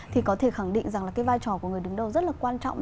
thì có thể khẳng định rằng là cái vai trò của người đứng đầu rất là quan trọng